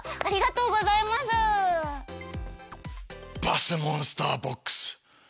バスモンスターボックス！